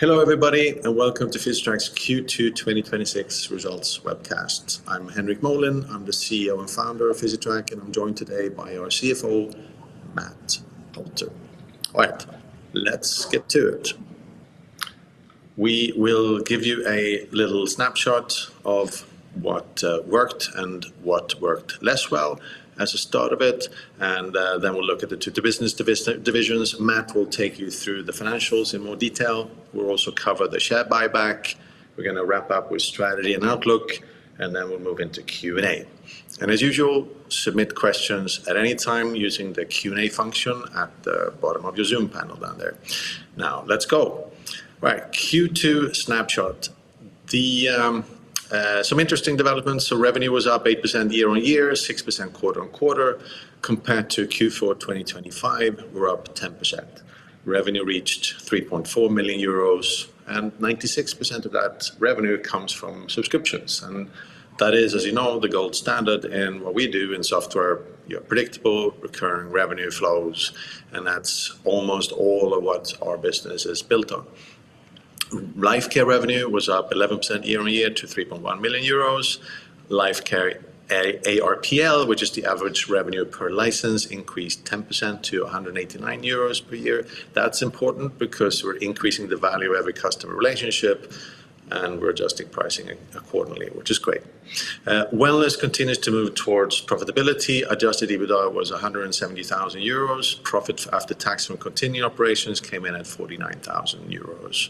Hello everybody, and welcome to Physitrack's Q2 2026 results webcast. I'm Henrik Molin. I'm the CEO and founder of Physitrack, and I'm joined today by our CFO, Matt Poulter. All right, let's get to it. We will give you a little snapshot of what worked and what worked less well as the start of it, and then we'll look at the two business divisions. Matt will take you through the financials in more detail. We'll also cover the share buyback. We're going to wrap up with strategy and outlook, and then we'll move into Q&A. As usual, submit questions at any time using the Q&A function at the bottom of your Zoom panel down there. Now, let's go. Right. Q2 snapshot. Some interesting developments. Revenue was up 8% year-on-year, 6% quarter-on-quarter. Compared to Q4 2025, we're up 10%. Revenue reached 3.4 million euros, and 96% of that revenue comes from subscriptions. That is, as you know, the gold standard in what we do in software. Predictable recurring revenue flows, and that's almost all of what our business is built on. Lifecare revenue was up 11% year-on-year to 3.1 million euros. Lifecare ARPL, which is the average revenue per license, increased 10% to 189 euros per year. That's important because we're increasing the value of every customer relationship and we're adjusting pricing accordingly, which is great. Wellness continues to move towards profitability. Adjusted EBITDA was 170,000 euros. Profit after tax from continuing operations came in at 49,000 euros.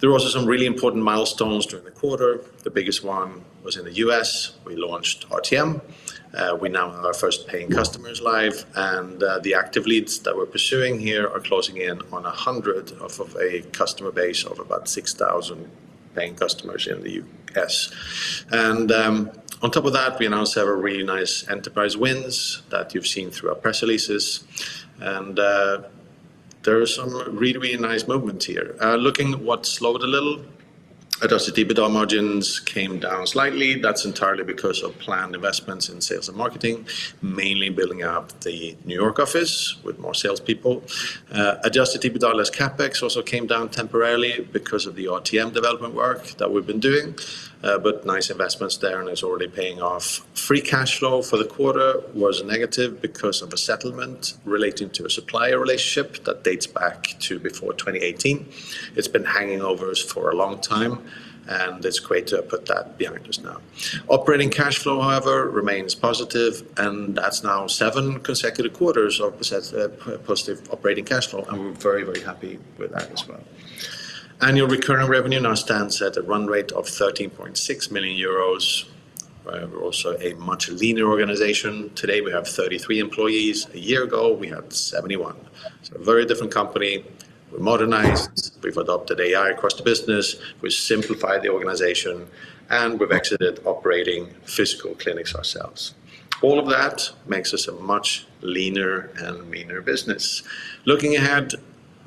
There were also some really important milestones during the quarter. The biggest one was in the U.S. We launched RTM. We now have our first paying customers live, and the active leads that we're pursuing here are closing in on 100 off of a customer base of about 6,000 paying customers in the U.S. On top of that, we announced several really nice enterprise wins that you've seen through our press releases, and there are some really nice movements here. Looking at what slowed a little, adjusted EBITDA margins came down slightly. That's entirely because of planned investments in sales and marketing, mainly building up the New York office with more salespeople. Adjusted EBITDA less CapEx also came down temporarily because of the RTM development work that we've been doing, but nice investments there, and it's already paying off. Free cash flow for the quarter was negative because of a settlement relating to a supplier relationship that dates back to before 2018. It's been hanging over us for a long time, and it's great to put that behind us now. Operating cash flow, however, remains positive, and that's now seven consecutive quarters of positive operating cash flow, and we're very happy with that as well. Annual recurring revenue now stands at a run rate of 13.6 million euros. We're also a much leaner organization. Today, we have 33 employees. A year ago, we had 71. A very different company. We're modernized. We've adopted AI across the business. We've simplified the organization, and we've exited operating physical clinics ourselves. All of that makes us a much leaner and meaner business. Looking ahead,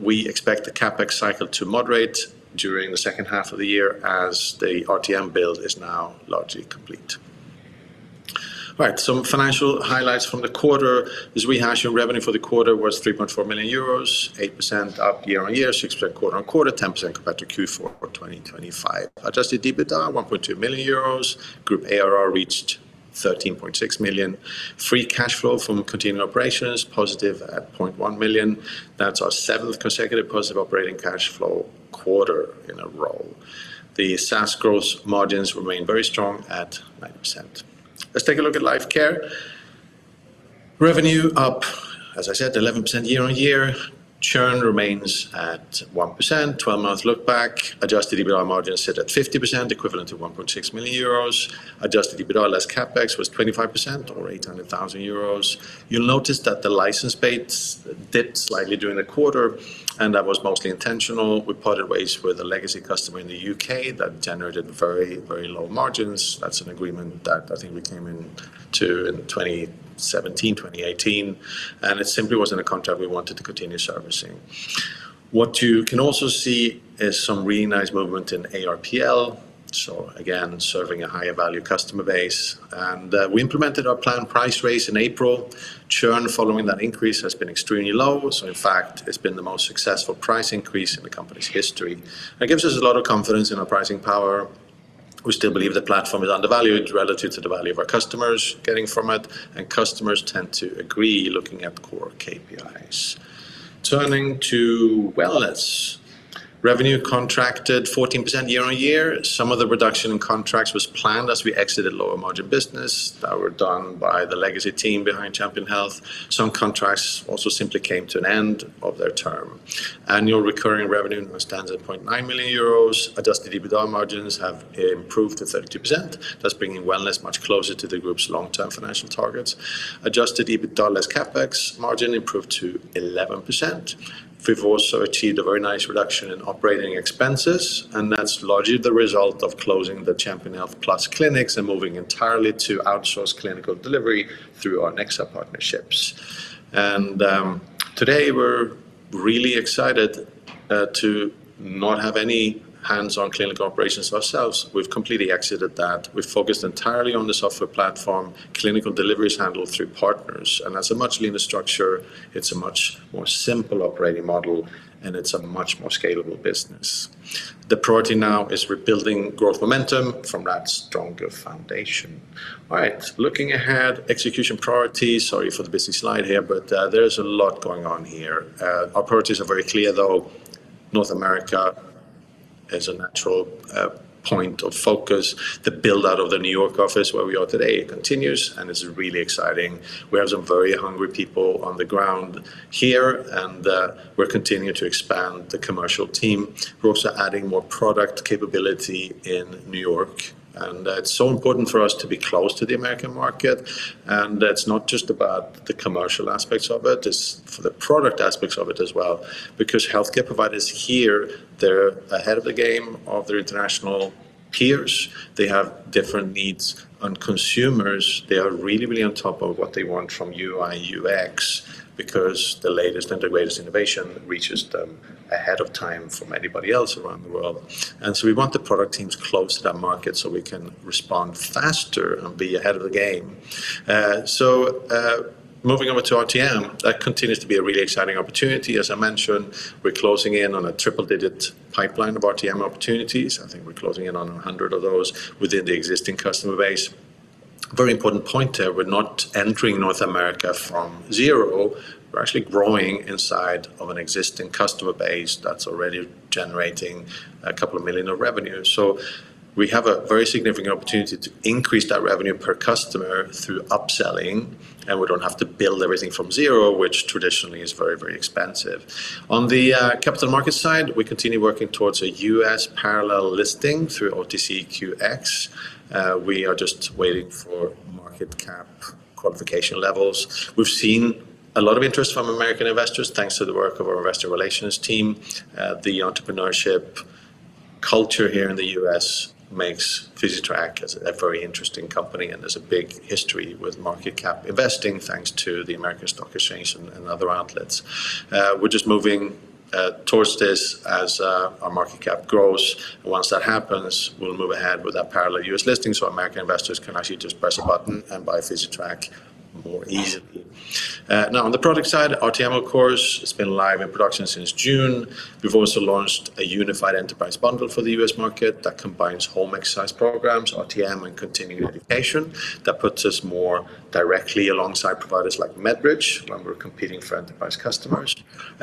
we expect the CapEx cycle to moderate during the second half of the year as the RTM build is now largely complete. Right. Some financial highlights from the quarter. Revenue for the quarter was 3.4 million euros, 8% up year-on-year, 6% quarter-on-quarter, 10% compared to Q4 of 2025. Adjusted EBITDA, 1.2 million euros. Group ARR reached 13.6 million. Free cash flow from continuing operations, positive at 0.1 million. That's our seventh consecutive positive operating cash flow quarter in a row. The SaaS gross margins remain very strong at 90%. Let's take a look at Lifecare. Revenue up, as I said, 11% year-on-year. Churn remains at 1%, 12-month look back. Adjusted EBITDA margins sit at 50%, equivalent to 1.6 million euros. Adjusted EBITDA less CapEx was 25%, or 800,000 euros. You'll notice that the license rates dipped slightly during the quarter, and that was mostly intentional. We parted ways with a legacy customer in the U.K. that generated very low margins. That's an agreement that I think we came into in 2017, 2018, it simply wasn't a contract we wanted to continue servicing. What you can also see is some really nice movement in ARPL. Again, serving a higher value customer base. We implemented our planned price raise in April. Churn following that increase has been extremely low. In fact, it's been the most successful price increase in the company's history. That gives us a lot of confidence in our pricing power. We still believe the platform is undervalued relative to the value of our customers getting from it, and customers tend to agree looking at core KPIs. Turning to Wellness. Revenue contracted 14% year-on-year. Some of the reduction in contracts was planned as we exited lower margin business that were done by the legacy team behind Champion Health. Some contracts also simply came to an end of their term. Annual recurring revenue now stands at 0.9 million euros. Adjusted EBITDA margins have improved to 32%. That's bringing Wellness much closer to the group's long-term financial targets. Adjusted EBITDA less CapEx margin improved to 11%. We've also achieved a very nice reduction in operating expenses, that's largely the result of closing the Champion Health Plus clinics and moving entirely to outsourced clinical delivery through our Nexa partnerships. Today, we're really excited to not have any hands-on clinical operations ourselves. We've completely exited that. We've focused entirely on the software platform, clinical delivery is handled through partners. That's a much leaner structure, it's a much more simple operating model, and it's a much more scalable business. The priority now is rebuilding growth momentum from that stronger foundation. All right. Looking ahead, execution priorities. Sorry for the busy slide here, there is a lot going on here. Our priorities are very clear, though. North America is a natural point of focus. The build-out of the New York office, where we are today, continues, it's really exciting. We have some very hungry people on the ground here, we're continuing to expand the commercial team. We're also adding more product capability in New York. It's so important for us to be close to the American market. It's not just about the commercial aspects of it's for the product aspects of it as well, because healthcare providers here, they're ahead of the game of their international peers. They have different needs. Consumers, they are really, really on top of what they want from UI, UX, because the latest and the greatest innovation reaches them ahead of time from anybody else around the world. We want the product teams close to that market so we can respond faster and be ahead of the game. Moving over to RTM, that continues to be a really exciting opportunity. As I mentioned, we're closing in on a triple-digit pipeline of RTM opportunities. I think we're closing in on 100 of those within the existing customer base. Very important point there, we're not entering North America from zero. We're actually growing inside of an existing customer base that's already generating a couple of million EUR of revenue. We have a very significant opportunity to increase that revenue per customer through upselling, and we don't have to build everything from zero, which traditionally is very, very expensive. On the capital market side, we continue working towards a U.S. parallel listing through OTCQX. We are just waiting for market cap qualification levels. We've seen a lot of interest from American investors, thanks to the work of our investor relations team. The entrepreneurship culture here in the U.S. makes Physitrack a very interesting company, and there's a big history with market cap investing, thanks to the American Stock Exchange and other outlets. We're just moving towards this as our market cap grows. Once that happens, we'll move ahead with that parallel U.S. listing, so American investors can actually just press a button and buy Physitrack more easily. On the product side, RTM, of course, has been live in production since June. We've also launched a unified enterprise bundle for the U.S. market that combines home exercise programs, RTM, and continuing education. That puts us more directly alongside providers like MedBridge when we're competing for enterprise customers.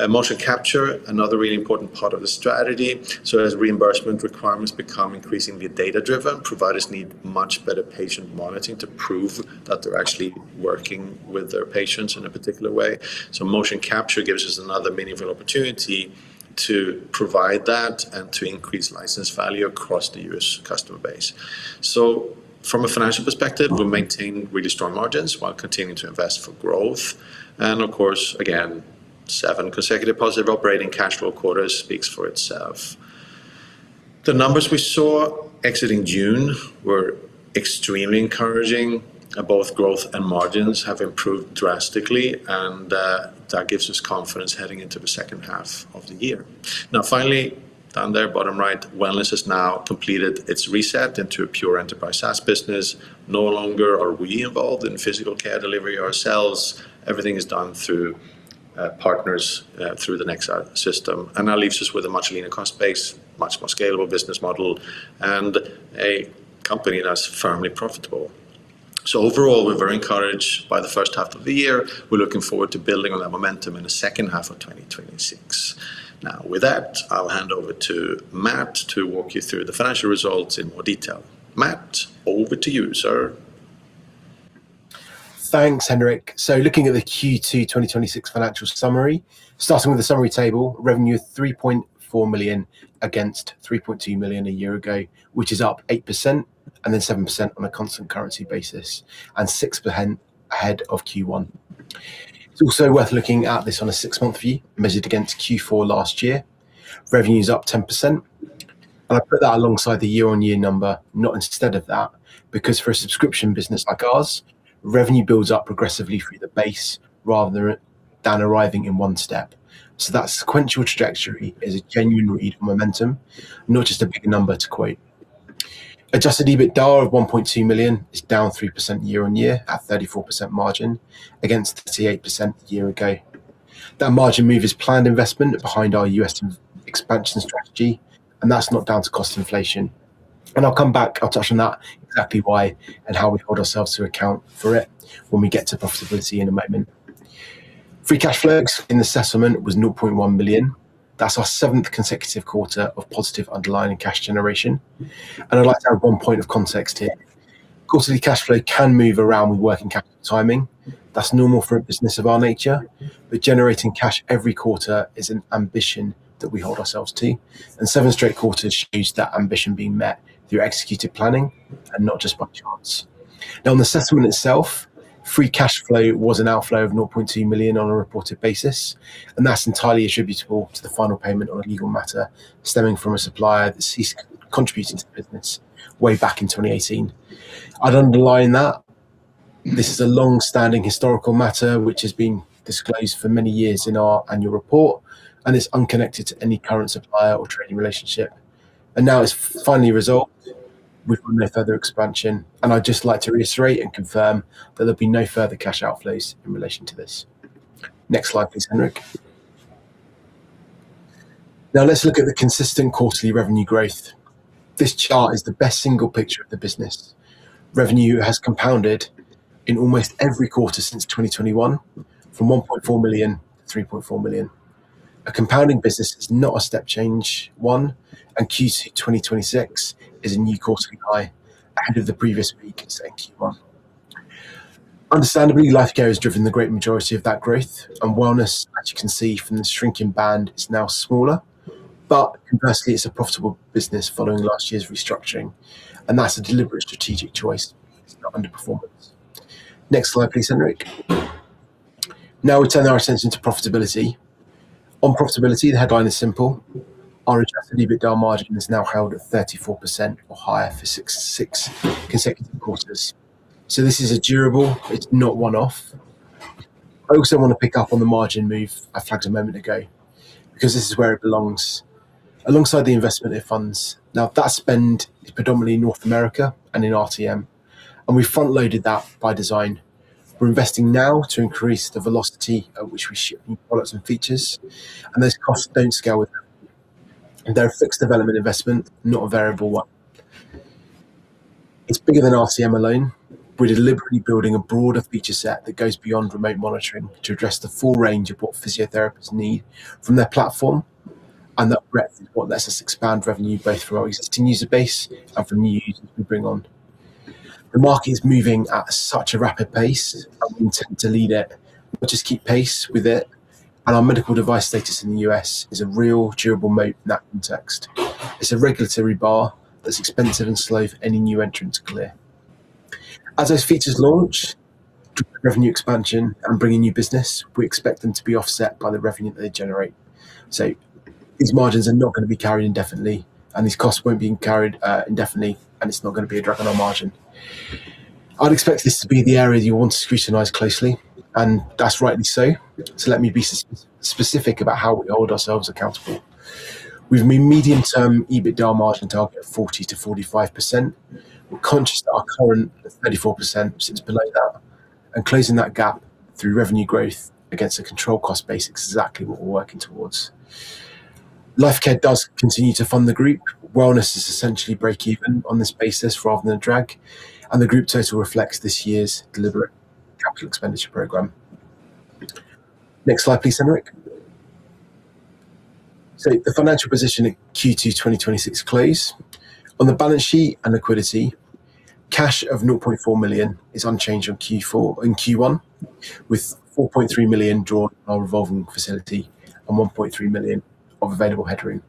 Motion capture, another really important part of the strategy. As reimbursement requirements become increasingly data-driven, providers need much better patient monitoring to prove that they're actually working with their patients in a particular way. Motion capture gives us another meaningful opportunity to provide that and to increase license value across the U.S. customer base. From a financial perspective, we maintain really strong margins while continuing to invest for growth. Of course, again, seven consecutive positive operating cash flow quarters speaks for itself. The numbers we saw exiting June were extremely encouraging. Both growth and margins have improved drastically, and that gives us confidence heading into the second half of the year. Finally, down there bottom right, Wellness has now completed its reset into a pure enterprise SaaS business. No longer are we involved in physical care delivery ourselves. Everything is done through partners, through the Nexa system. That leaves us with a much leaner cost base, much more scalable business model, and a company that's firmly profitable. Overall, we're very encouraged by the first half of the year. We're looking forward to building on that momentum in the second half of 2026. With that, I'll hand over to Matt to walk you through the financial results in more detail. Matt, over to you, sir. Thanks, Henrik. Looking at the Q2 2026 financial summary. Starting with the summary table, revenue 3.4 million against 3.2 million a year ago, which is up 8%, 7% on a constant currency basis, and 6% ahead of Q1. It is also worth looking at this on a six-month view, measured against Q4 last year. Revenue is up 10%. I put that alongside the year-on-year number, not instead of that, because for a subscription business like ours, revenue builds up progressively through the base rather than arriving in one step. That sequential trajectory is a genuine read of momentum, not just a big number to quote. Adjusted EBITDA of 1.2 million is down 3% year-on-year at 34% margin against 38% a year ago. That margin move is planned investment behind our U.S. expansion strategy, and that is not down to cost inflation. I will come back, I will touch on that, exactly why and how we hold ourselves to account for it when we get to profitability in a moment. Free cash flows in the settlement was 0.1 million. That is our seventh consecutive quarter of positive underlying cash generation. I would like to add one point of context here. Quarterly cash flow can move around with working capital timing. That is normal for a business of our nature. Generating cash every quarter is an ambition that we hold ourselves to. Seven straight quarters shows that ambition being met through executed planning and not just by chance. Now, on the settlement itself, free cash flow was an outflow of 0.2 million on a reported basis, and that is entirely attributable to the final payment on a legal matter stemming from a supplier that ceased contributing to the business way back in 2018. I would underline that this is a longstanding historical matter which has been disclosed for many years in our annual report, and is unconnected to any current supplier or trading relationship. Now it is finally resolved with no further expense, and I would just like to reiterate and confirm that there will be no further cash outflows in relation to this. Next slide, please, Henrik. Now let us look at the consistent quarterly revenue growth. This chart is the best single picture of the business. Revenue has compounded in almost every quarter since 2021, from 1.4 million to 3.4 million. A compounding business is not a step change one, and Q2 2026 is a new quarterly high ahead of the previous peak set in Q1. Understandably, Lifecare has driven the great majority of that growth, and Wellness, as you can see from the shrinking band, is now smaller. Conversely, it is a profitable business following last year's restructuring, and that is a deliberate strategic choice. It is not underperformance. Next slide, please, Henrik. Now we turn our attention to profitability. On profitability, the headline is simple. Our adjusted EBITDA margin is now held at 34% or higher for six consecutive quarters. This is durable, it is not one-off. I also want to pick up on the margin move I flagged a moment ago, because this is where it belongs, alongside the investment in funds. Now, that spend is predominantly in North America and in RTM, and we front-loaded that by design. We are investing now to increase the velocity at which we ship new products and features, and those costs do not scale with them. They are a fixed development investment, not a variable one. It is bigger than RTM alone. We're deliberately building a broader feature set that goes beyond remote monitoring to address the full range of what physiotherapists need from their platform, that breadth is what lets us expand revenue both through our existing user base and from new users we bring on. The market is moving at such a rapid pace, we intend to lead it, not just keep pace with it. Our medical device status in the U.S. is a real durable moat in that context. It's a regulatory bar that's expensive and slow for any new entrant to clear. As those features launch, driving revenue expansion and bringing new business, we expect them to be offset by the revenue that they generate. These margins are not going to be carried indefinitely, these costs won't be carried indefinitely, and it's not going to be a drag on our margin. I'd expect this to be the area you want to scrutinize closely, that's rightly so. Let me be specific about how we hold ourselves accountable. We have a medium term EBITDA margin target of 40%-45%. We're conscious that our current 34% sits below that, closing that gap through revenue growth against a controlled cost base is exactly what we're working towards. Lifecare does continue to fund the group. Wellness is essentially break-even on this basis rather than a drag, and the group total reflects this year's deliberate capital expenditure program. Next slide, please, Henrik. The financial position at Q2 2026 close. On the balance sheet and liquidity, cash of 0.4 million is unchanged on Q4 and Q1, with 4.3 million drawn in our revolving facility and 1.3 million of available headroom.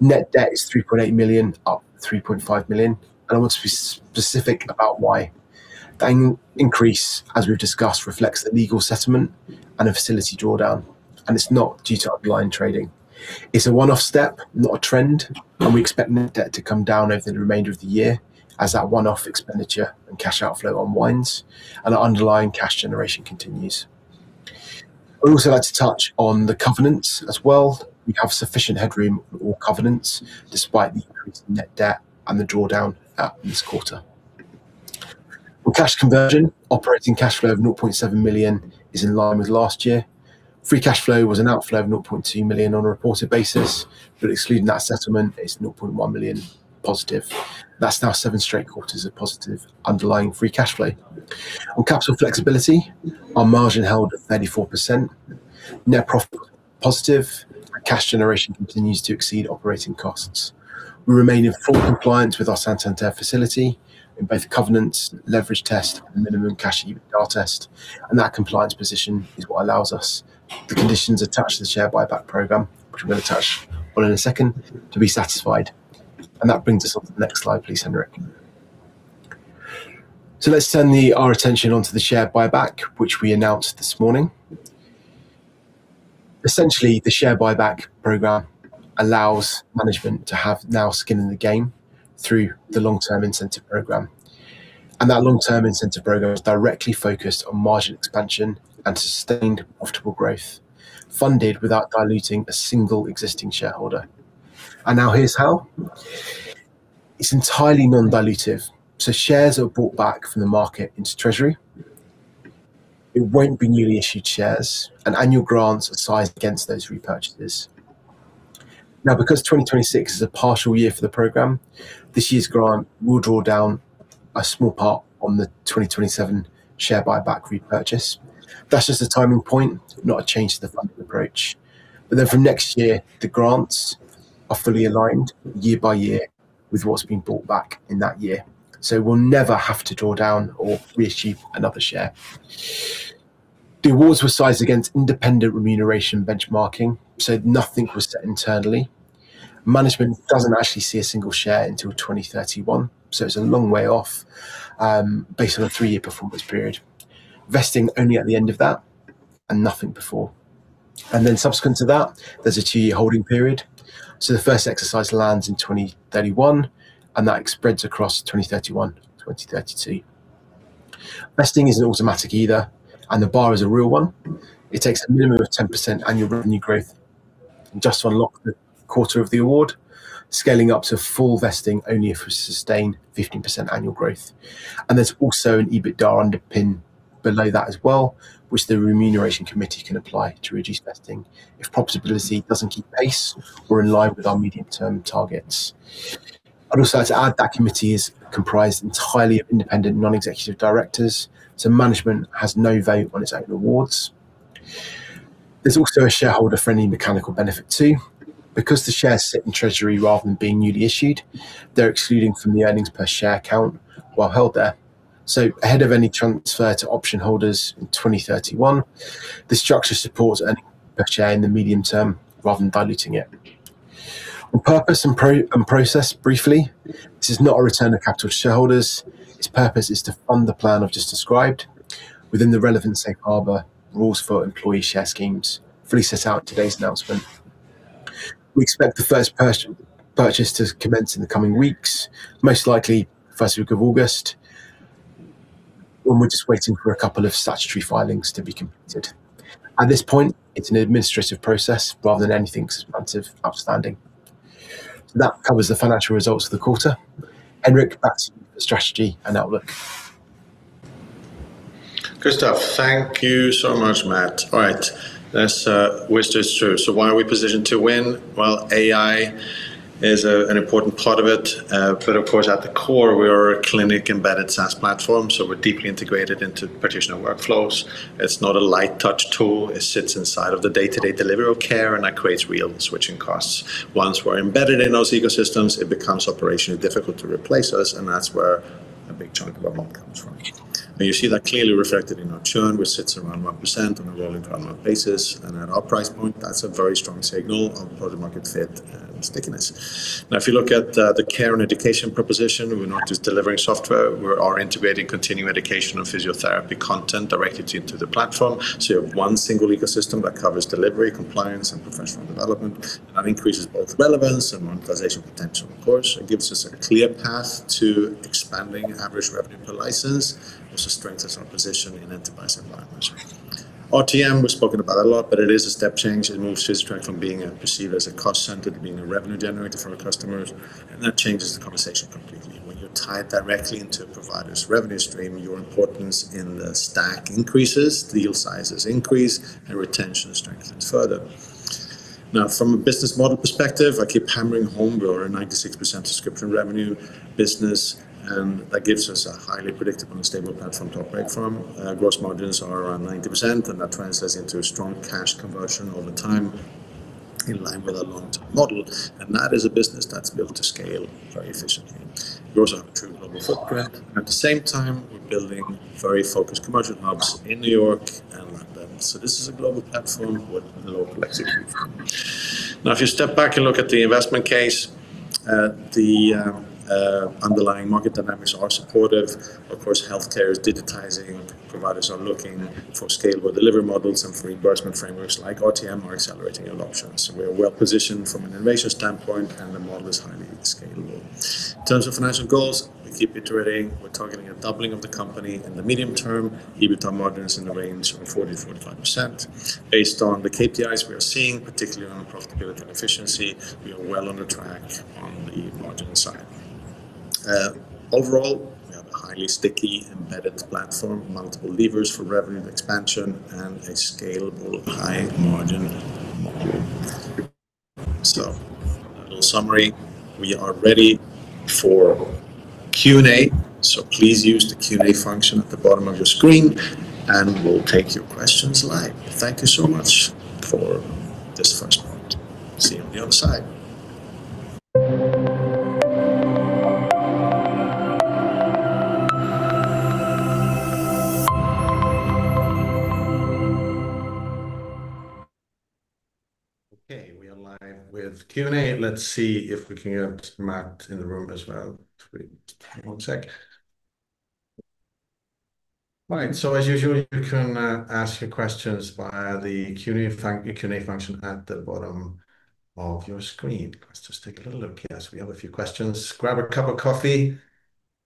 Net debt is 3.8 million, up 3.5 million, I want to be specific about why. That increase, as we've discussed, reflects the legal settlement and a facility drawdown, it's not due to underlying trading. It's a one-off step, not a trend, we expect net debt to come down over the remainder of the year as that one-off expenditure and cash outflow unwinds and our underlying cash generation continues. I'd also like to touch on the covenants as well. We have sufficient headroom on all covenants, despite the increased net debt and the drawdown this quarter. On cash conversion, operating cash flow of 0.7 million is in line with last year. Free cash flow was an outflow of 0.2 million on a reported basis, but excluding that settlement, it's 0.1 million positive. That's now seven straight quarters of positive underlying free cash flow. On capital flexibility, our margin held at 34%. Net profit positive. Cash generation continues to exceed operating costs. We remain in full compliance with our Santander facility in both covenants, leverage test, and minimum cash EBITDA test. That compliance position is what allows us the conditions attached to the share buyback program, which I'm going to touch on in a second, to be satisfied. That brings us onto the next slide, please, Henrik. Let's turn our attention onto the share buyback, which we announced this morning. Essentially, the share buyback program allows management to have now skin in the game through the long-term incentive program. That long-term incentive program is directly focused on margin expansion and sustained profitable growth, funded without diluting a single existing shareholder. Now here's how. It's entirely non-dilutive, shares are bought back from the market into treasury. It won't be newly issued shares. Annual grants are sized against those repurchases. Because 2026 is a partial year for the program, this year's grant will draw down a small part on the 2027 share buyback repurchase. That's just a timing point, not a change to the funding approach. From next year, the grants are fully aligned year by year with what's being bought back in that year. We'll never have to draw down or reissue another share. The awards were sized against independent remuneration benchmarking. Nothing was set internally. Management doesn't actually see a single share until 2031. It's a long way off, based on a three-year performance period. Vesting only at the end of that. Nothing before. Subsequent to that, there's a two-year holding period. The first exercise lands in 2031. That spreads across 2031, 2032. Vesting isn't automatic either. The bar is a real one. It takes a minimum of 10% annual revenue growth just to unlock the quarter of the award, scaling up to full vesting only if we sustain 15% annual growth. There's also an EBITDA underpin below that as well, which the remuneration committee can apply to reduce vesting if profitability doesn't keep pace or in line with our medium-term targets. I'd also like to add that committee is comprised entirely of independent non-executive directors. Management has no vote on its own awards. There's also a shareholder-friendly mechanical benefit, too. Because the shares sit in treasury rather than being newly issued, they're excluding from the earnings per share count while held there. Ahead of any transfer to option holders in 2031, the structure supports earning per share in the medium term rather than diluting it. On purpose and process, briefly, this is not a return of capital to shareholders. Its purpose is to fund the plan I've just described within the relevant safe harbor rules for employee share schemes fully set out in today's announcement. We expect the first purchase to commence in the coming weeks, most likely the first week of August, when we're just waiting for a couple of statutory filings to be completed. At this point, it's an administrative process rather than anything substantive outstanding. That covers the financial results for the quarter. Henrik, back to you for strategy and outlook. Good stuff. Thank you so much, Matt. All right, let's whisk this through. Why are we positioned to win? Well, AI is an important part of it. Of course, at the core, we are a clinic-embedded SaaS platform. We're deeply integrated into practitioner workflows. It's not a light touch tool. It sits inside of the day-to-day delivery of care. That creates real switching costs. Once we're embedded in those ecosystems, it becomes operationally difficult to replace us. That's where a big chunk of our moat comes from. You see that clearly reflected in our churn, which sits around 1% on a rolling 12-month basis. At our price point, that's a very strong signal of product market fit and stickiness. If you look at the care and education proposition, we're not just delivering software, we are integrating continuing education and physiotherapy content directly into the platform. You have one single ecosystem that covers delivery, compliance, and professional development. That increases both relevance and monetization potential. Of course, it gives us a clear path to expanding average revenue per license, which just strengthens our position in enterprise environments. RTM, we've spoken about a lot, but it is a step change. It moves Physitrack from being perceived as a cost center to being a revenue generator for our customers, that changes the conversation completely. When you're tied directly into a provider's revenue stream, your importance in the stack increases, deal sizes increase, retention is strengthened further. From a business model perspective, I keep hammering home we are a 96% subscription revenue business, that gives us a highly predictable and stable platform to operate from. Gross margins are around 90%, that translates into a strong cash conversion over time, in line with our long-term model, that is a business that's built to scale very efficiently. We also have a true global footprint. At the same time, we're building very focused commercial hubs in New York and London. This is a global platform with a local execution. If you step back and look at the investment case, the underlying market dynamics are supportive. Of course, healthcare is digitizing, providers are looking for scalable delivery models, reimbursement frameworks like RTM are accelerating adoptions. We are well-positioned from an innovation standpoint, the model is highly scalable. In terms of financial goals, we keep iterating. We're targeting a doubling of the company in the medium term, EBITDA margins in the range of 40%-45%. Based on the KPIs we are seeing, particularly around profitability and efficiency, we are well on the track on the margin side. Overall, we have a highly sticky embedded platform, multiple levers for revenue expansion, a scalable high-margin model. A little summary. We are ready for Q&A, please use the Q&A function at the bottom of your screen, we'll take your questions live. Thank you so much for this first part. See you on the other side. Okay, we are live with Q&A. Let's see if we can get Matt in the room as well. One sec. All right. As usual, you can ask your questions via the Q&A function at the bottom of your screen. Let's just take a little look. Yes, we have a few questions. Grab a cup of coffee,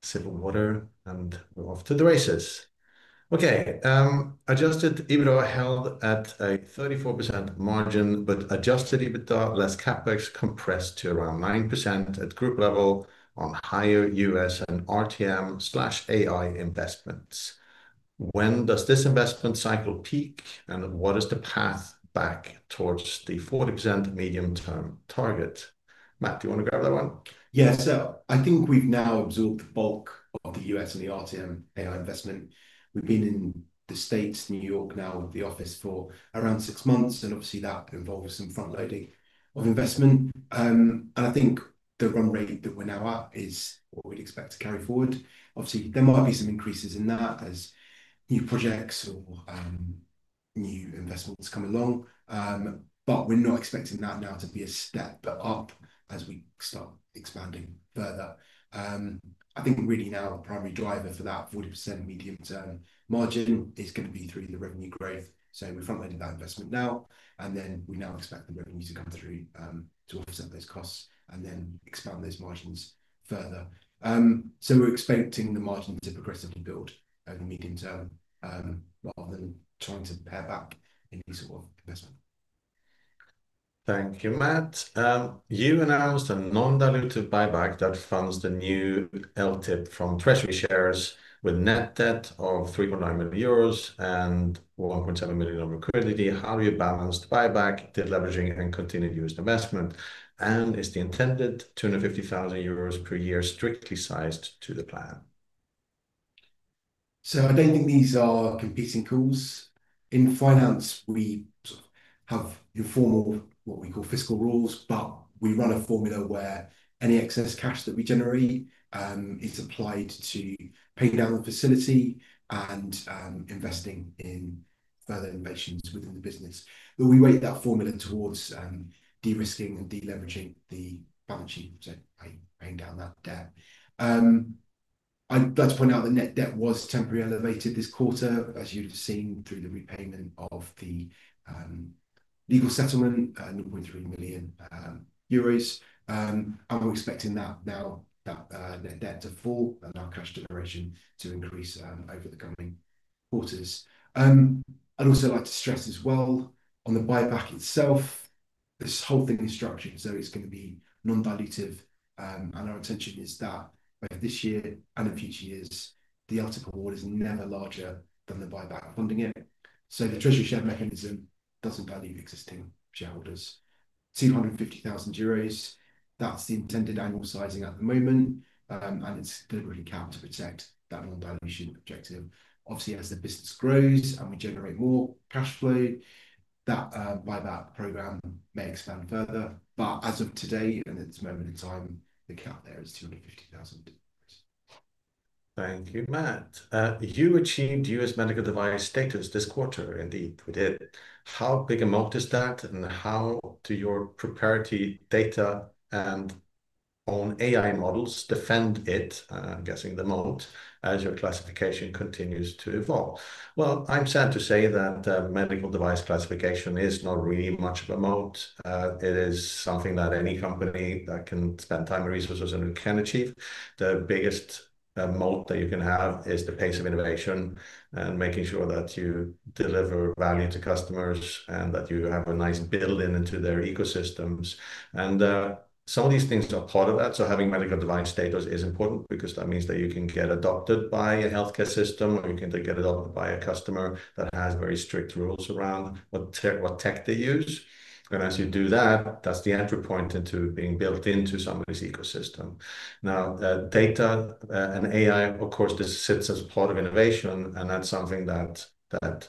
sip of water, we're off to the races. Okay. Adjusted EBITDA held at a 34% margin, adjusted EBITDA less CapEx compressed to around 9% at group level on higher U.S. and RTM/AI investments. When does this investment cycle peak, what is the path back towards the 40% medium-term target? Matt, do you want to grab that one? Yeah. I think we've now absorbed the bulk of the U.S. and the RTM AI investment. We've been in the States, New York now with the office for around six months, obviously that involved some front-loading of investment. I think the run rate that we're now at is what we'd expect to carry forward. Obviously, there might be some increases in that as new projects or new investments come along. We're not expecting that now to be a step up as we start expanding further. I think really now the primary driver for that 40% medium-term margin is going to be through the revenue growth. We're front-loading that investment now, then we now expect the revenue to come through to offset those costs then expand those margins further. We're expecting the margins to progressively build over the medium term, rather than trying to pare back in piece of investment. Thank you, Matt. You announced a non-dilutive buyback that funds the new LTIP from treasury shares with net debt of 3.9 million euros and 1.7 million of liquidity. How do you balance the buyback, deleveraging, and continued investment? Is the intended 250,000 euros per year strictly sized to the plan? I don't think these are competing calls. In finance, we have informal, what we call fiscal rules. We run a formula where any excess cash that we generate is applied to pay down the facility and investing in further innovations within the business. We weight that formula towards de-risking and deleveraging the balance sheet, so paying down that debt. I'd like to point out the net debt was temporarily elevated this quarter, as you'd have seen through the repayment of the legal settlement, 0.3 million euros. We're expecting now that net debt to fall and our cash generation to increase over the coming quarters. I'd also like to stress as well on the buyback itself, this whole thing is structured, it's going to be non-dilutive. Our intention is that both this year and in future years, the LTIP award is never larger than the buyback funding it. The treasury share mechanism doesn't dilute existing shareholders. 250,000 euros, that's the intended annual sizing at the moment. It's deliberately capped to protect that non-dilution objective. Obviously, as the business grows and we generate more cash flow, that buyback program may expand further. As of today and this moment in time, the cap there is 250,000. Thank you, Matt. You achieved U.S. medical device status this quarter. Indeed, we did. How big a moat is that, and how do your proprietary data and own AI models defend it, I'm guessing the moat, as your classification continues to evolve? I'm sad to say that medical device classification is not really much of a moat. It is something that any company that can spend time and resources on can achieve. The biggest moat that you can have is the pace of innovation and making sure that you deliver value to customers and that you have a nice build-in into their ecosystems. Some of these things are part of that. Having medical device status is important because that means that you can get adopted by a healthcare system, or you can get adopted by a customer that has very strict rules around what tech they use. As you do that's the entry point into being built into somebody's ecosystem. Data and AI, of course, this sits as part of innovation, and that's something that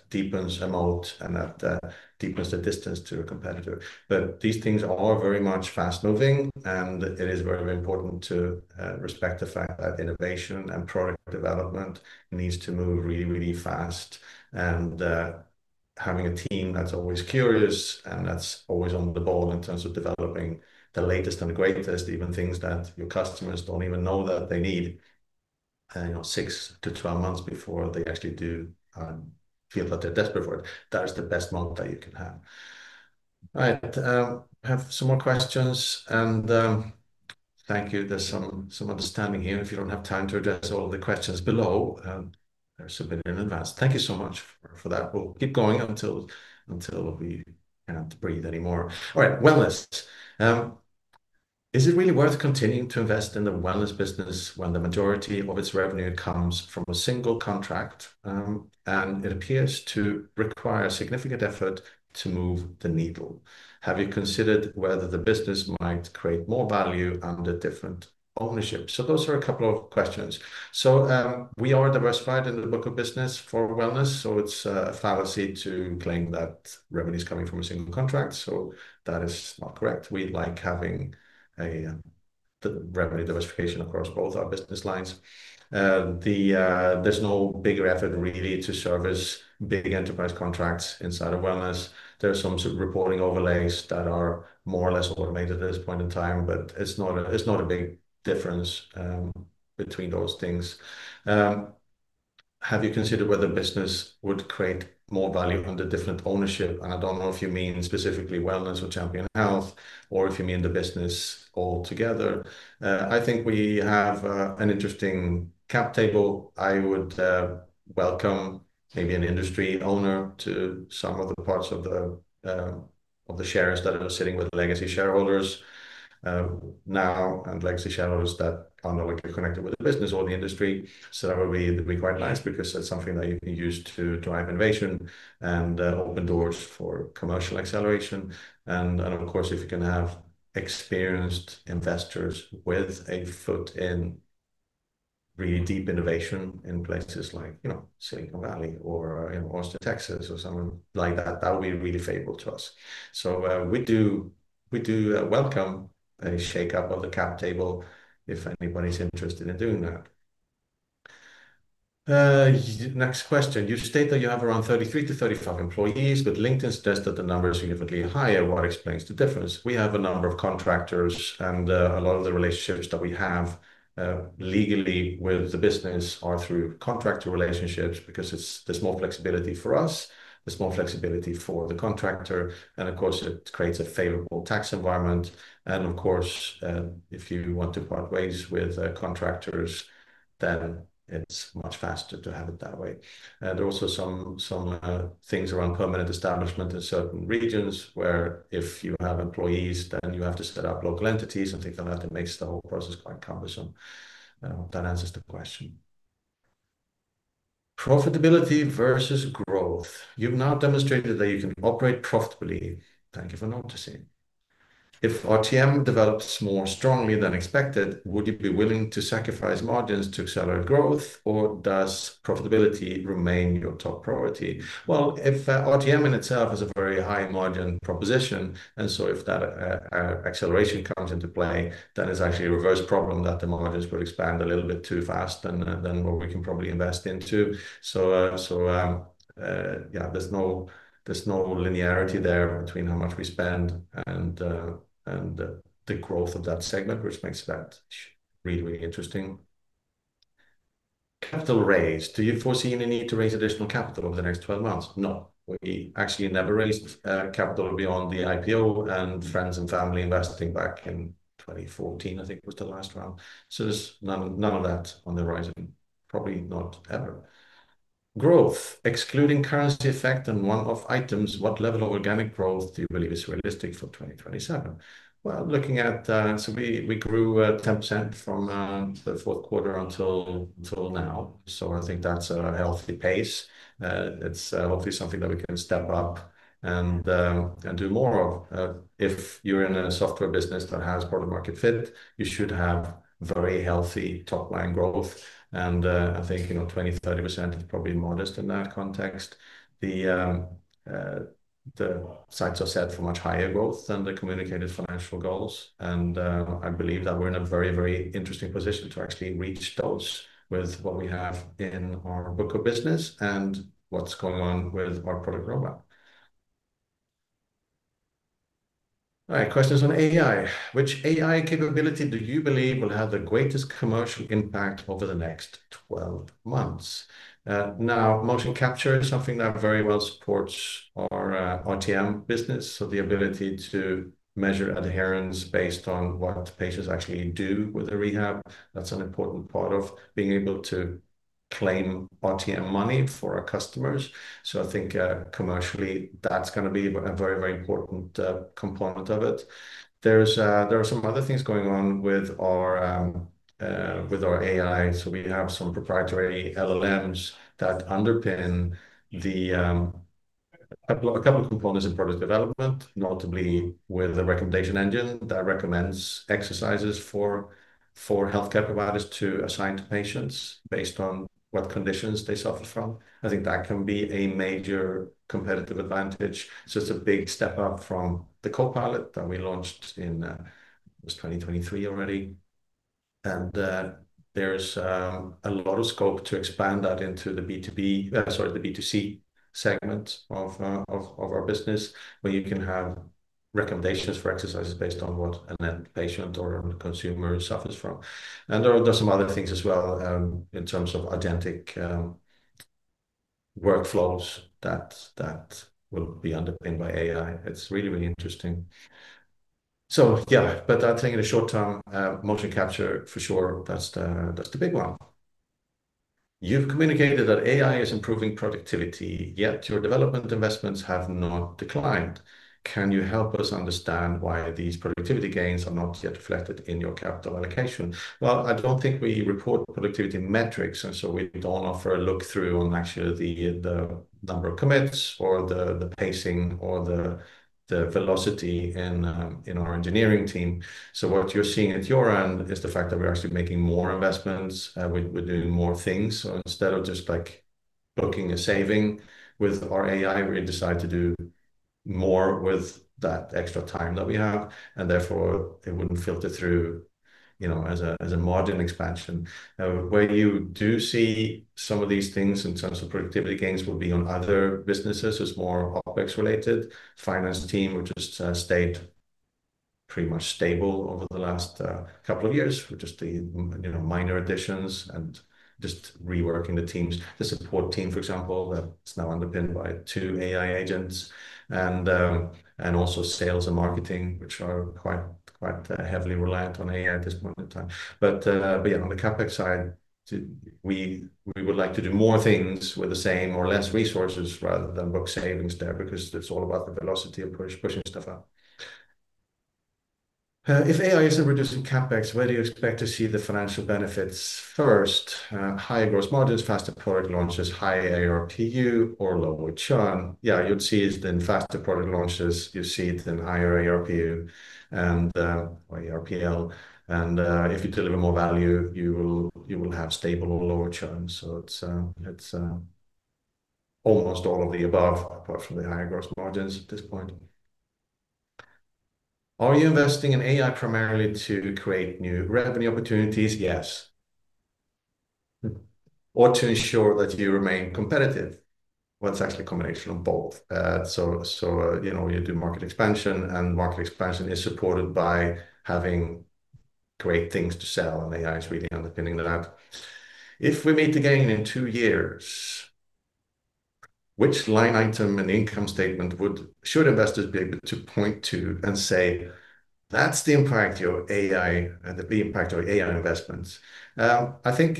deepens a moat and that deepens the distance to a competitor. These things are very much fast-moving, and it is very important to respect the fact that innovation and product development needs to move really, really fast. Having a team that's always curious and that's always on the ball in terms of developing the latest and greatest, even things that your customers don't even know that they need, 6-12 months before they actually do feel that they're desperate for it. That is the best moat that you can have. All right. Have some more questions, and thank you. There's some understanding here. If you don't have time to address all of the questions below, they're submitted in advance. Thank you so much for that. We'll keep going until we cannot breathe anymore. All right. Wellness. Is it really worth continuing to invest in the Wellness business when the majority of its revenue comes from a single contract? It appears to require significant effort to move the needle. Have you considered whether the business might create more value under different ownership? Those are a couple of questions. We are diversified in the book of business for Wellness, so it's a fallacy to claim that revenue's coming from a single contract. That is not correct. We like having the revenue diversification across both our business lines. There's no bigger effort really to service big enterprise contracts inside of Wellness. There are some sort of reporting overlays that are more or less automated at this point in time, but it's not a big difference between those things. Have you considered whether business would create more value under different ownership? I don't know if you mean specifically Wellness or Champion Health or if you mean the business altogether. I think we have an interesting cap table. I would welcome maybe an industry owner to some of the parts of the shares that are sitting with legacy shareholders now and legacy shareholders that are not connected with the business or the industry. That would be quite nice because that's something that you can use to drive innovation and open doors for commercial acceleration. Of course, if you can have experienced investors with a foot in really deep innovation in places like Silicon Valley or in Austin, Texas, or somewhere like that would be really favorable to us. We do welcome a shake-up of the cap table if anybody's interested in doing that. Next question. You state that you have around 33 to 35 employees, but LinkedIn states that the number is significantly higher. What explains the difference? We have a number of contractors, and a lot of the relationships that we have legally with the business are through contractor relationships because there's more flexibility for us, there's more flexibility for the contractor, and of course, it creates a favorable tax environment. Of course, if you want to part ways with contractors, then it's much faster to have it that way. There are also some things around permanent establishment in certain regions where if you have employees, then you have to set up local entities and things like that. It makes the whole process quite cumbersome. I hope that answers the question. Profitability versus growth. You've now demonstrated that you can operate profitably. Thank you for noticing. If RTM develops more strongly than expected, would you be willing to sacrifice margins to accelerate growth, or does profitability remain your top priority? If RTM in itself is a very high-margin proposition, if that acceleration comes into play, then it's actually a reverse problem that the margins will expand a little bit too fast than what we can probably invest into. There's no linearity there between how much we spend and the growth of that segment, which makes that really interesting. Capital raise. Do you foresee any need to raise additional capital over the next 12 months? No. We actually never raised capital beyond the IPO and friends and family investing back in 2014, I think was the last round. There's none of that on the horizon. Probably not ever. Growth. Excluding currency effect and one-off items, what level of organic growth do you believe is realistic for 2027? Looking at, we grew 10% from the fourth quarter until now. I think that's a healthy pace. It's hopefully something that we can step up and do more of. If you're in a software business that has product market fit, you should have very healthy top-line growth. I think 20%, 30% is probably modest in that context. The sights are set for much higher growth than the communicated financial goals, I believe that we're in a very interesting position to actually reach those with what we have in our book of business and what's going on with our product roadmap. All right. Questions on AI. Which AI capability do you believe will have the greatest commercial impact over the next 12 months? Motion capture is something that very well supports our RTM business. The ability to measure adherence based on what patients actually do with the rehab, that's an important part of being able to claim RTM money for our customers. I think commercially, that's going to be a very important component of it. There are some other things going on with our AI. We have some proprietary LLMs that underpin a couple of components of product development, notably with the recommendation engine that recommends exercises for healthcare providers to assign to patients based on what conditions they suffer from. I think that can be a major competitive advantage. It's a big step up from the copilot that we launched in, it was 2023 already. There's a lot of scope to expand that into the B2C segment of our business, where you can have recommendations for exercises based on what a patient or a consumer suffers from. There are some other things as well in terms of authentic workflows that will be underpinned by AI. It's really interesting. I think in the short term, motion capture, for sure, that's the big one. You've communicated that AI is improving productivity, yet your development investments have not declined. Can you help us understand why these productivity gains are not yet reflected in your capital allocation? Well, I don't think we report productivity metrics, we don't offer a look-through on actually the number of commits or the pacing or the velocity in our engineering team. What you're seeing at your end is the fact that we're actually making more investments. We're doing more things. Instead of just booking a saving with our AI, we decide to do more with that extra time that we have, and therefore, it wouldn't filter through as a margin expansion. Where you do see some of these things in terms of productivity gains will be on other businesses as more OpEx related. Finance team, which has stayed pretty much stable over the last couple of years with just the minor additions and just reworking the teams. The support team, for example, that's now underpinned by two AI agents, and also sales and marketing, which are quite heavily reliant on AI at this point in time. On the CapEx side, we would like to do more things with the same or less resources rather than book savings there because it's all about the velocity of pushing stuff out. If AI isn't reducing CapEx, where do you expect to see the financial benefits first? Higher gross margins, faster product launches, higher ARPU, or lower churn? You'd see it in faster product launches. You see it in higher ARPU or ARPL. If you deliver more value, you will have stable or lower churn. It's almost all of the above, apart from the higher gross margins at this point. Are you investing in AI primarily to create new revenue opportunities? Yes. To ensure that you remain competitive? Well, it's actually a combination of both. You do market expansion, and market expansion is supported by having great things to sell, and AI is really underpinning that. If we meet again in 2 years, which line item and income statement should investors be able to point to and say, "That's the impact of AI and the impact of AI investments." I think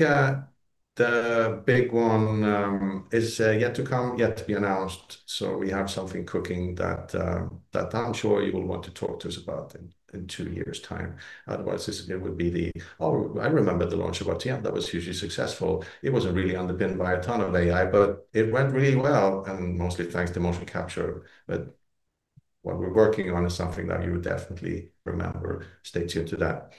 the big one is yet to come, yet to be announced. We have something cooking that I'm sure you will want to talk to us about in 2 years' time. Otherwise, it would be the, "Oh, I remember the launch of RTM. That was hugely successful. It wasn't really underpinned by a ton of AI, but it went really well, and mostly thanks to motion capture." What we're working on is something that you would definitely remember. Stay tuned to that.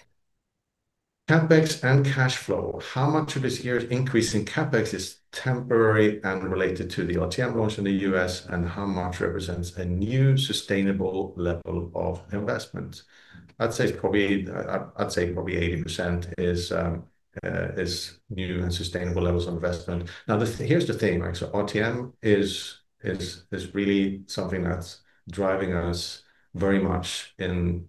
CapEx and cash flow. How much of this year's increase in CapEx is temporary and related to the RTM launch in the U.S., and how much represents a new sustainable level of investment? I'd say probably 80% is new and sustainable levels of investment. Here's the thing. RTM is really something that's driving us very much in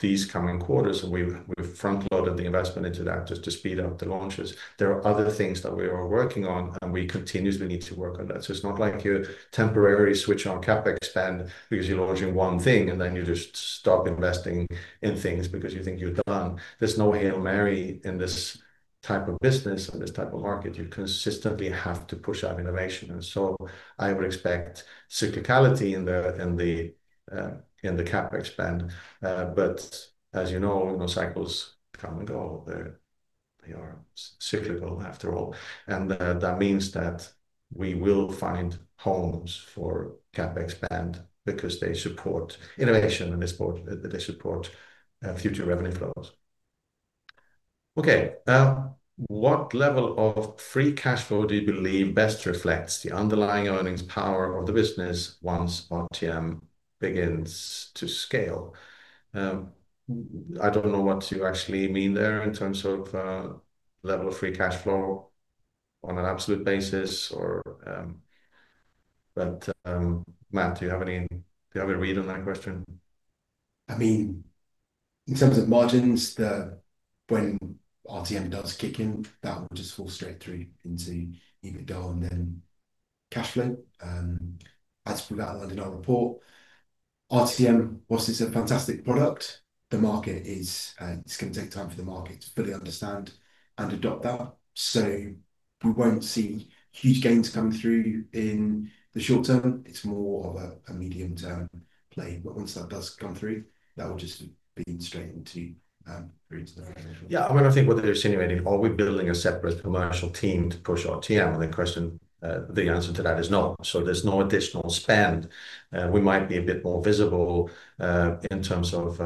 these coming quarters, and we've front-loaded the investment into that just to speed up the launches. There are other things that we are working on, and we continuously need to work on that. It's not like you temporarily switch on CapEx spend because you're launching one thing, and then you just stop investing in things because you think you're done. There's no Hail Mary in this type of business and this type of market. You consistently have to push out innovation. I would expect cyclicality in the CapEx spend. As you know, cycles come and go. They are cyclical after all, and that means that we will find homes for CapEx spend because they support innovation and they support future revenue flows. Okay. What level of free cash flow do you believe best reflects the underlying earnings power of the business once RTM begins to scale? I don't know what you actually mean there in terms of level of free cash flow on an absolute basis or Matt, do you have any read on that question? In terms of margins, when RTM does kick in, that will just fall straight through into EBITDA and then cash flow. As we outlined in our report, RTM, whilst it's a fantastic product, it's going to take time for the market to fully understand and adopt that. We won't see huge gains come through in the short term. It's more of a medium-term play. Once that does come through, that will just beam straight into the revenue. Yeah. I think what they're insinuating, are we building a separate commercial team to push RTM? The answer to that is no. There's no additional spend. We might be a bit more visible in terms of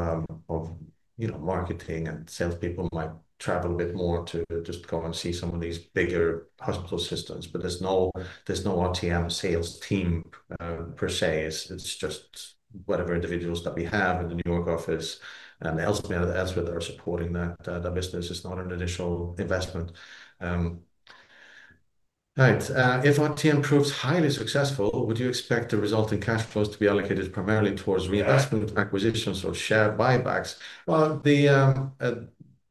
marketing, and salespeople might travel a bit more to just go and see some of these bigger hospital systems. There's no RTM sales team per se. It's just whatever individuals that we have in the N.Y. office and elsewhere that are supporting that business. It's not an additional investment. Right. If RTM proves highly successful, would you expect the resulting cash flows to be allocated primarily towards reinvestment, acquisitions, or share buybacks? Well, the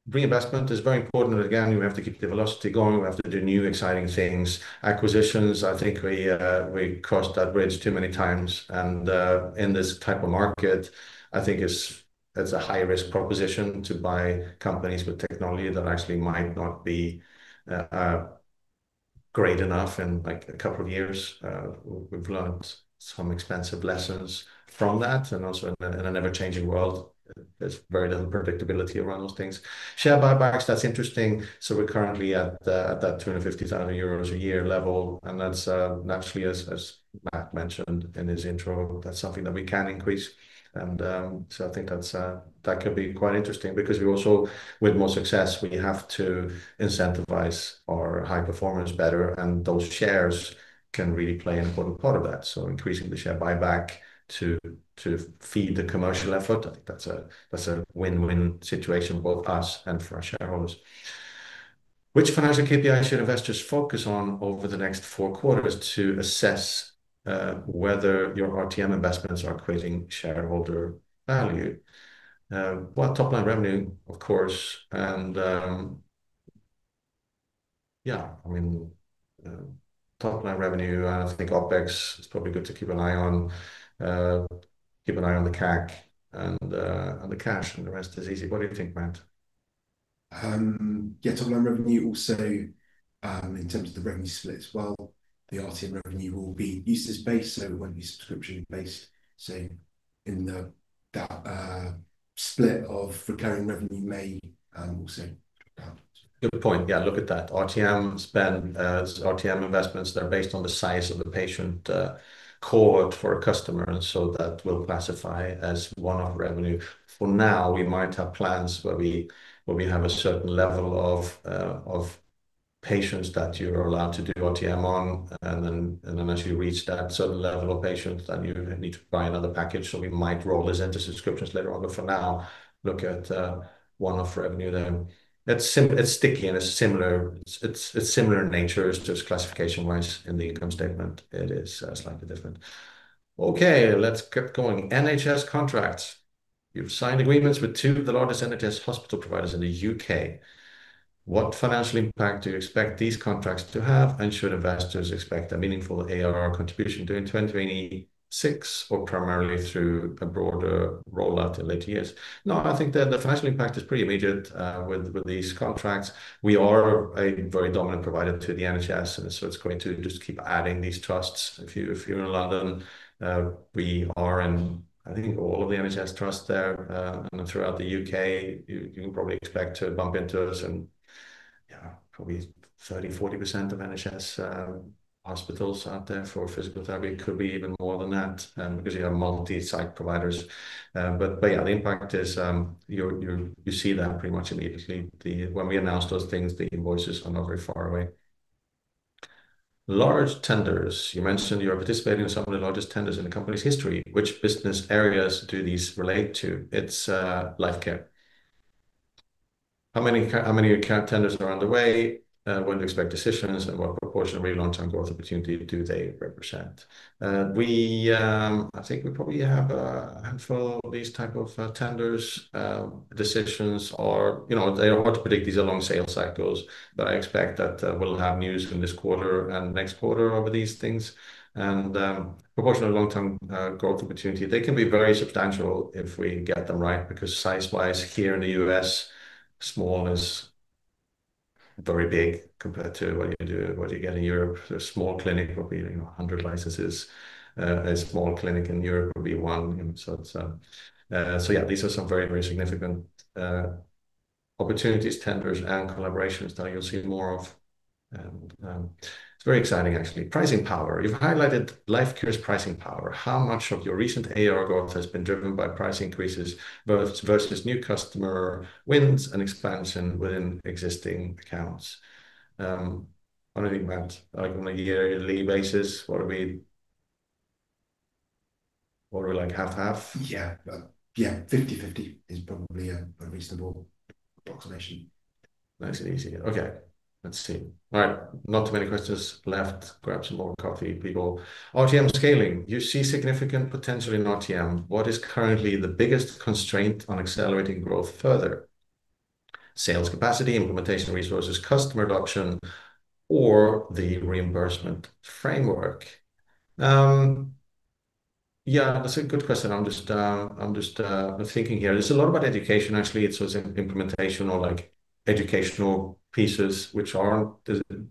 reinvestment is very important. Again, we have to keep the velocity going. We have to do new, exciting things. Acquisitions, I think we crossed that bridge too many times. In this type of market, I think it's a high-risk proposition to buy companies with technology that actually might not be great enough in a couple of years. We've learnt some expensive lessons from that. Also in an ever-changing world, there's very little predictability around those things. Share buybacks, that's interesting. We're currently at that 250,000 euros a year level, and that's naturally, as Matt mentioned in his intro, that's something that we can increase. I think that could be quite interesting because also with more success, we have to incentivize our high performers better, and those shares can really play an important part of that. Increasing the share buyback to feed the commercial effort, I think that's a win-win situation, both us and for our shareholders. Which financial KPI should investors focus on over the next four quarters to assess whether your RTM investments are creating shareholder value? Well, top-line revenue, of course, and Yeah. Top-line revenue. I think OpEx is probably good to keep an eye on. Keep an eye on the CAC and the cash, and the rest is easy. What do you think, Matt? Yeah. Top-line revenue. In terms of the revenue split as well, the RTM revenue will be usage-based, so it won't be subscription-based. In that split of recurring revenue may also count. Good point. Yeah. Look at that. RTM spend, RTM investments, they're based on the size of the patient cohort for a customer. That will classify as one-off revenue. For now, we might have plans where we have a certain level of patients that you're allowed to do RTM on, and then once you reach that certain level of patients, then you need to buy another package. We might roll this into subscriptions later on. For now, look at one-off revenue there. It's sticky, and it's similar in nature. It's just classification-wise in the income statement, it is slightly different. Okay, let's keep going. NHS contracts. You've signed agreements with two of the largest NHS hospital providers in the U.K. What financial impact do you expect these contracts to have, and should investors expect a meaningful ARR contribution during 2026 or primarily through a broader rollout in later years? I think the financial impact is pretty immediate with these contracts. We are a very dominant provider to the NHS. It's going to just keep adding these trusts. If you're in London, we are in, I think, all of the NHS trusts there. Throughout the U.K., you can probably expect to bump into us in probably 30%, 40% of NHS hospitals out there for physical therapy. Could be even more than that because you have multi-site providers. Yeah, the impact is you see that pretty much immediately. When we announce those things, the invoices are not very far away. Large tenders. You mentioned you are participating in some of the largest tenders in the company's history. Which business areas do these relate to? It's Lifecare. How many tenders are underway? When do you expect decisions, and what proportion of really long-term growth opportunity do they represent? I think we probably have a handful of these types of tenders. Decisions are hard to predict. These are long sales cycles, but I expect that we'll have news in this quarter and next quarter over these things. Proportional long-term growth opportunity. They can be very substantial if we get them right because size-wise here in the U.S., small is very big compared to what you get in Europe. A small clinic will be 100 licenses. A small clinic in Europe will be one. Yeah, these are some very, very significant opportunities, tenders, and collaborations that you'll see more of. It's very exciting actually. Pricing power. You've highlighted Lifecare's pricing power. How much of your recent AR growth has been driven by price increases versus new customer wins and expansion within existing accounts? What do you think, Matt? On like a yearly basis, what are we like half-half? Yeah. 50/50 is probably a reasonable approximation. Nice and easy. Okay, let's see. All right. Not too many questions left. Grab some more coffee, people. RTM scaling. You see significant potential in RTM. What is currently the biggest constraint on accelerating growth further? Sales capacity, implementation resources, customer adoption, or the reimbursement framework? Yeah, that's a good question. I'm just thinking here. There's a lot about education, actually. It's those implementation or educational pieces which aren't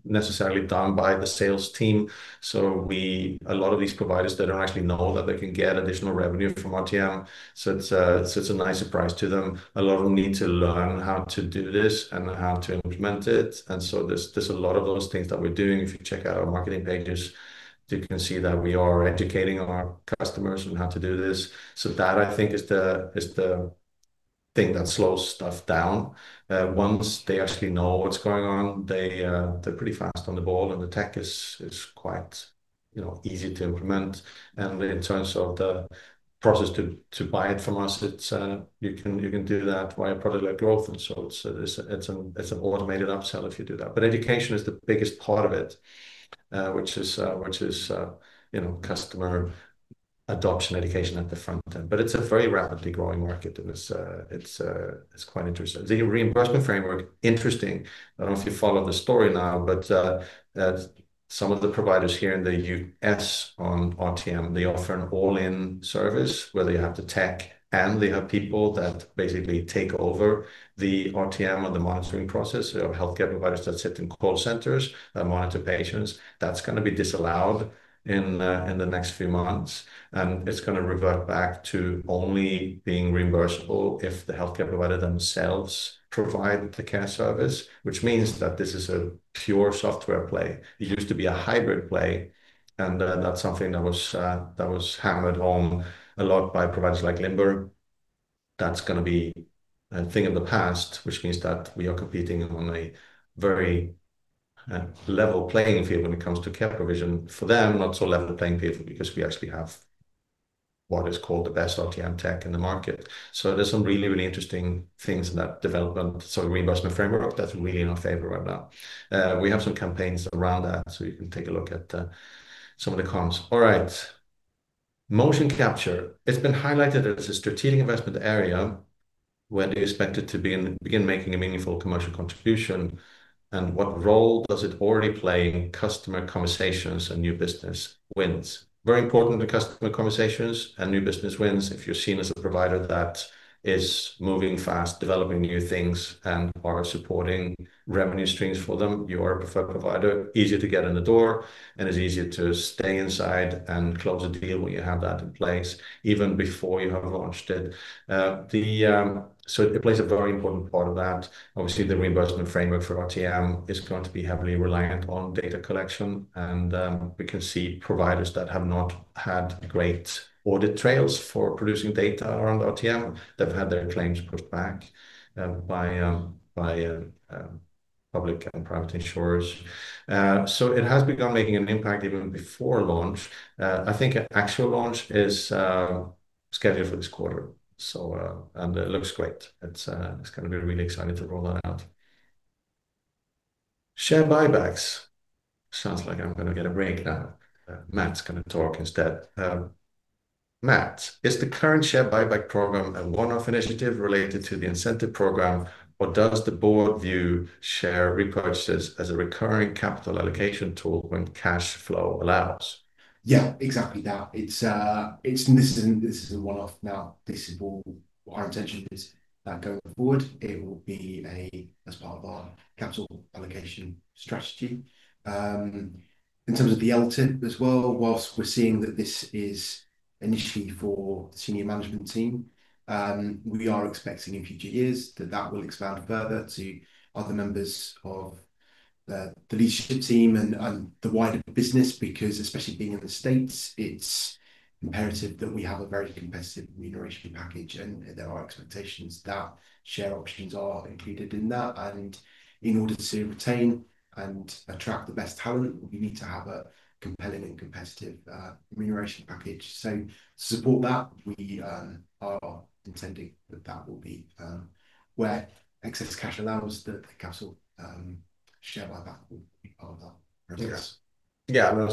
necessarily done by the sales team. A lot of these providers don't actually know that they can get additional revenue from RTM. It's a nice surprise to them. A lot of them need to learn how to do this and how to implement it. There's a lot of those things that we're doing. If you check out our marketing pages, you can see that we are educating our customers on how to do this. That, I think, is the thing that slows stuff down. Once they actually know what's going on, they're pretty fast on the ball, and the tech is quite easy to implement. In terms of the process to buy it from us, you can do that via product-led growth. It's an automated upsell if you do that. Education is the biggest part of it, which is customer adoption education at the front end. It's a very rapidly growing market, and it's quite interesting. The reimbursement framework. Interesting. I don't know if you follow the story now, but some of the providers here in the U.S. on RTM, they offer an all-in service where they have the tech, and they have people that basically take over the RTM or the monitoring process. They have healthcare providers that sit in call centers that monitor patients. That's going to be disallowed in the next few months, and it's going to revert back to only being reimbursable if the healthcare provider themselves provide the care service, which means that this is a pure software play. It used to be a hybrid play, and that's something that was hammered home a lot by providers like Limber. That's going to be a thing of the past, which means that we are competing on a very level playing field when it comes to care provision. For them, not so level a playing field because we actually have what is called the best RTM tech in the market. There's some really, really interesting things in that development sort of reimbursement framework that's really in our favor right now. We have some campaigns around that. You can take a look at some of the comms. All right. Motion capture. It's been highlighted as a strategic investment area. When do you expect it to begin making a meaningful commercial contribution, and what role does it already play in customer conversations and new business wins? Very important in customer conversations and new business wins. If you're seen as a provider that is moving fast, developing new things, and are supporting revenue streams for them, you are a preferred provider, easier to get in the door, and it's easier to stay inside and close a deal when you have that in place, even before you have launched it. It plays a very important part of that. Obviously, the reimbursement framework for RTM is going to be heavily reliant on data collection, and we can see providers that have not had great audit trails for producing data around RTM. They've had their claims pushed back by public and private insurers. It has begun making an impact even before launch. I think an actual launch is scheduled for this quarter. It looks great. It's going to be really exciting to roll that out. Share buybacks. Sounds like I'm going to get a break now. Matt's going to talk instead. Matt, is the current share buyback program a one-off initiative related to the incentive program, or does the board view share repurchases as a recurring capital allocation tool when cash flow allows? Exactly that. This isn't a one-off now. This is what our intention is going forward. It will be as part of our capital allocation strategy. In terms of the LTIP as well, whilst we're seeing that this is an issue for the senior management team, we are expecting in future years that that will expand further to other members of the leadership team and the wider business because especially being in the U.S., it's imperative that we have a very competitive remuneration package, and there are expectations that share options are included in that. In order to retain and attract the best talent, we need to have a compelling and competitive remuneration package. To support that, we are intending that that will be where excess cash allows the capital share buyback will be part of that. Yes.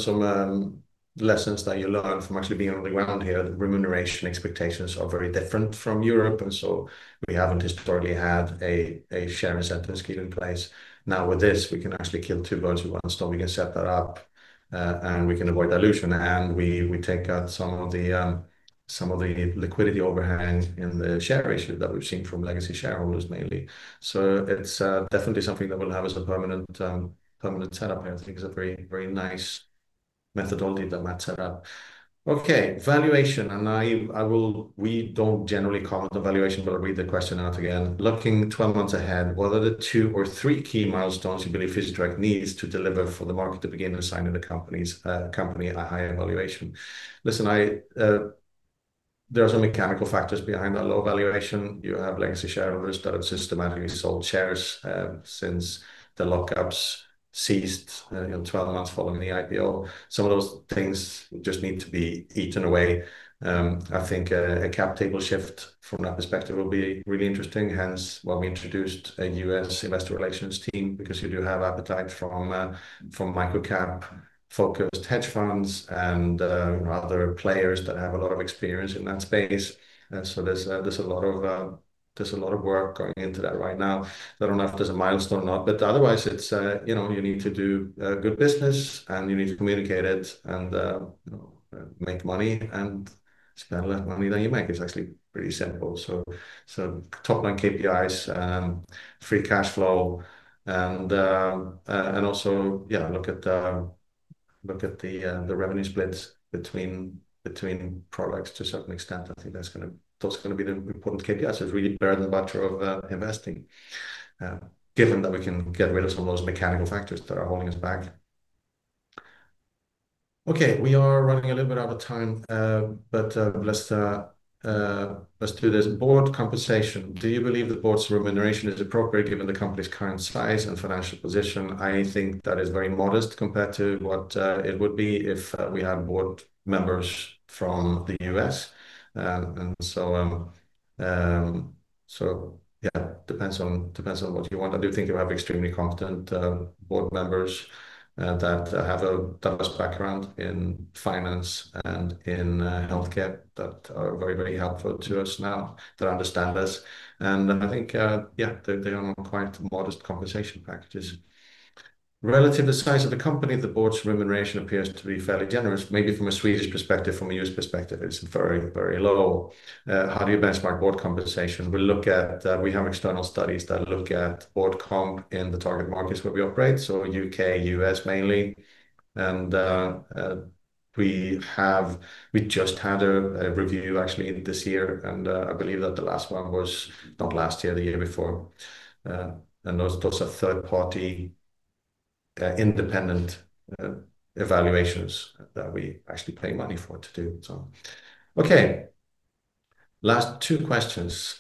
Some lessons that you learn from actually being on the ground here, the remuneration expectations are very different from Europe, we haven't historically had a share incentive scheme in place. Now, with this, we can actually kill two birds with one stone. We can set that up, we can avoid dilution, we take out some of the liquidity overhang in the share issue that we've seen from legacy shareholders mainly. It's definitely something that we'll have as a permanent setup. I think it's a very nice methodology that Matt set up. Okay. Valuation, we don't generally comment on valuation, I'll read the question out again. Looking 12 months ahead, what are the two or three key milestones you believe Physitrack needs to deliver for the market to begin assigning the company at a higher valuation? Listen, there are some mechanical factors behind that low valuation. You have legacy shareholders that have systematically sold shares since the lockups ceased 12 months following the IPO. Some of those things just need to be eaten away. I think a cap table shift from that perspective will be really interesting. Hence why we introduced a U.S. investor relations team because you do have appetite from micro-cap-focused hedge funds and other players that have a lot of experience in that space. There's a lot of work going into that right now. I don't know if there's a milestone or not, but otherwise, you need to do good business, and you need to communicate it and make money and spend the money that you make. It's actually pretty simple. Top-line KPIs, free cash flow, and also look at the revenue splits between products to a certain extent. I think those are going to be the important KPIs of really bread and butter of investing, given that we can get rid of some of those mechanical factors that are holding us back. Okay. We are running a little bit out of time. Let's do this. Board compensation. Do you believe the board's remuneration is appropriate given the company's current size and financial position? I think that is very modest compared to what it would be if we had board members from the U.S. Yeah, depends on what you want. I do think you have extremely competent board members that have a diverse background in finance and in healthcare that are very helpful to us now, that understand us, and I think, yeah, they are on quite modest compensation packages. Relative to the size of the company, the board's remuneration appears to be fairly generous. Maybe from a Swedish perspective, from a U.S. perspective, it's very low. How do you benchmark board compensation? We have external studies that look at board comp in the target markets where we operate. U.K., U.S. mainly. We just had a review actually this year, and I believe that the last one was not last year, the year before. Those are third-party, independent evaluations that we actually pay money for to do. Okay. Last two questions.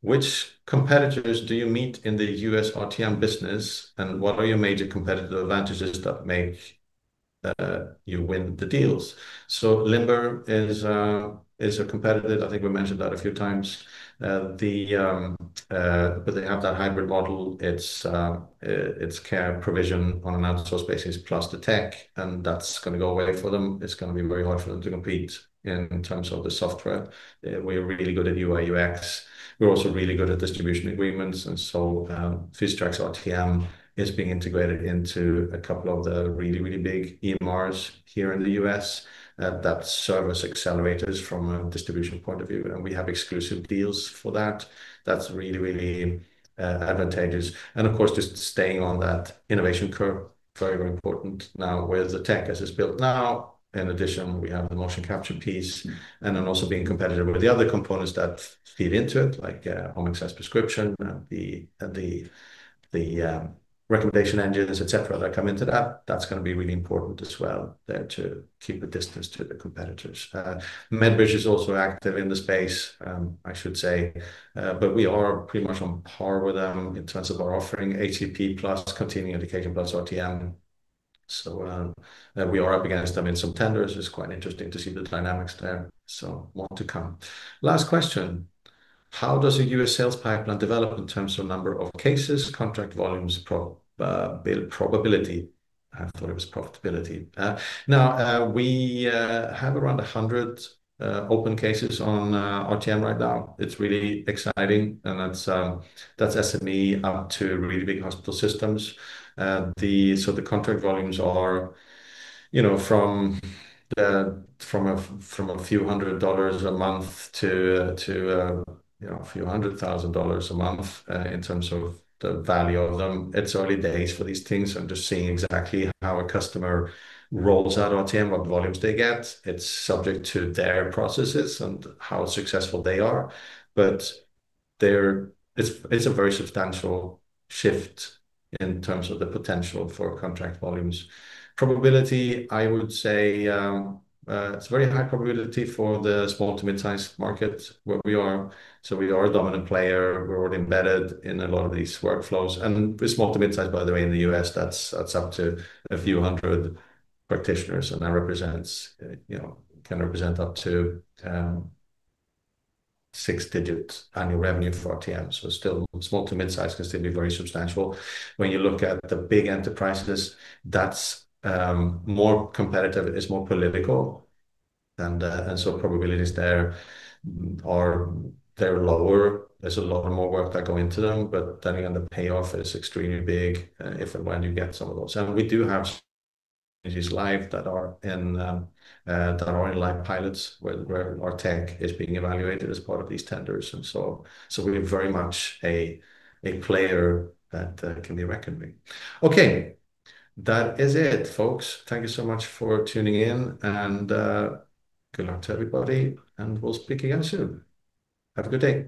Which competitors do you meet in the U.S. RTM business, and what are your major competitive advantages that make you win the deals? Limber is a competitor. I think we mentioned that a few times. They have that hybrid model. It's care provision on an outsourced basis plus the tech, and that's going to go away for them. It's going to be very hard for them to compete in terms of the software. We're really good at UI/UX. We're also really good at distribution agreements, Physitrack's RTM is being integrated into a couple of the really big EMRs here in the U.S. that service accelerators from a distribution point of view, and we have exclusive deals for that. That's really advantageous. Of course, just staying on that innovation curve, very important now with the tech as it's built now. In addition, we have the motion capture piece. Also being competitive with the other components that feed into it, like home access prescription, the recommendation engines, et cetera, that come into that. That's going to be really important as well there to keep a distance to the competitors. MedBridge is also active in the space, I should say. We are pretty much on par with them in terms of our offering, HEP plus continuing education plus RTM. We are up against them in some tenders. It's quite interesting to see the dynamics there. More to come. Last question, how does a U.S. sales pipeline develop in terms of number of cases, contract volumes, probability? I thought it was profitability. We have around 100 open cases on RTM right now. It's really exciting, and that's SME up to really big hospital systems. The contract volumes are from a few hundred dollars a month to a few hundred thousand dollars a month in terms of the value of them. It's early days for these things and just seeing exactly how a customer rolls out RTM, what volumes they get. It's subject to their processes and how successful they are. It's a very substantial shift in terms of the potential for contract volumes. Probability, I would say, it's a very high probability for the small to mid-size market where we are. We are a dominant player. We're already embedded in a lot of these workflows, and with small to mid-size, by the way, in the U.S., that's up to a few hundred practitioners, and that can represent up to six-digits annual revenue for RTM. Still small to mid-size can still be very substantial. When you look at the big enterprises, that's more competitive, it's more political. Probabilities there are lower. There's a lot more work that go into them. Again, the payoff is extremely big if and when you get some of those. We do have live that are in live pilots where our tech is being evaluated as part of these tenders and so on. We're very much a player that can be reckoned with. Okay. That is it, folks. Thank you so much for tuning in, and good luck to everybody, and we'll speak again soon. Have a good day.